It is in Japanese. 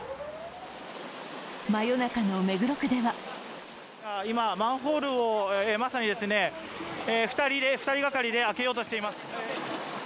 真夜中の目黒区では今、マンホールを、まさに２人がかりで開けようとしています。